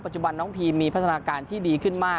จุบันน้องพีมมีพัฒนาการที่ดีขึ้นมาก